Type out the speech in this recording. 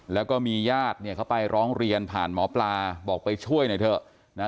แล้วก็มีญาติเนี่ยเขาไปร้องเรียนผ่านหมอปลาบอกไปช่วยหน่อยเถอะนะ